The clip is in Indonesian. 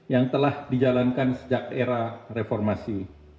yang telah dijalankan sejak era reformasi